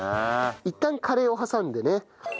いったんカレーを挟んでね。